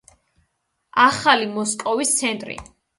ახალი მოსკოვის ცენტრი.